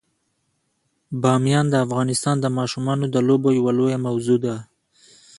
بامیان د افغانستان د ماشومانو د لوبو یوه لویه موضوع ده.